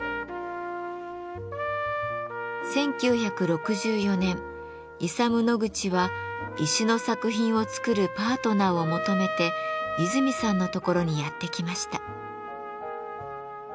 １９６４年イサム・ノグチは石の作品を作るパートナーを求めて和泉さんのところにやって来ました。